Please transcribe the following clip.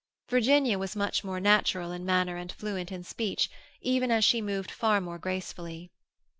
Virginia was much more natural in manner and fluent in speech, even as she moved far more gracefully.